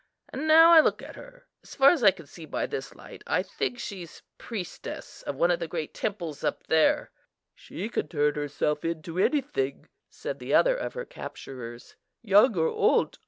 And now I look at her, so far as I can see by this light, I think she's priestess of one of the great temples up there." "She can turn herself into anything," said the other of her capturers, "young or old.